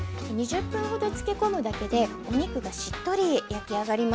２０分ほど漬け込むだけでお肉がしっとり焼き上がります。